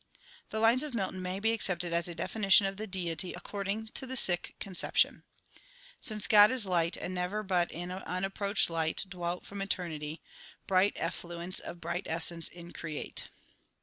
The lines of Milton may be accepted as a definition of the deity according to the Sikh conception :.... Since God is light And never but in unapproached light Dwelt from eternity Bright effluence of bright essence increate.